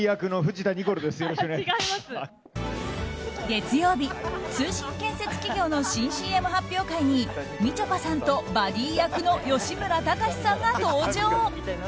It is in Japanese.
月曜日通信建設企業の新ＣＭ発表会にみちょぱさんとバディー役の吉村崇さんが登場。